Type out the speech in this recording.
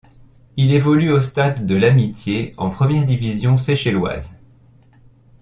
Il évolue au stade de l'Amitié en première division seychelloise.